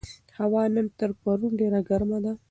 هوا نن تر پرون ډېره ګرمه ده.